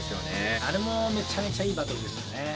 あれもめちゃめちゃいいバトルでしたね。